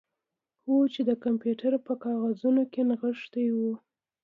هو چې د کمپیوټر په کاغذونو کې نغښتې وه